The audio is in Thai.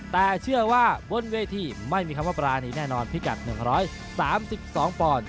แต่เชื่อว่าบนเวทีไม่มีคำว่าปรานีแน่นอนพิกัด๑๓๒ปอนด์